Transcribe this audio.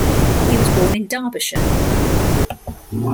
He was born in Derbyshire.